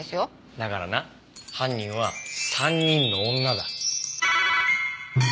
だからな犯人は３人の女だ。